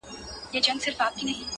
موږ په خټه او په اصل پاچاهان یو،